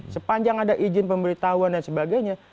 sepanjang ada izin pemberitahuan dan sebagainya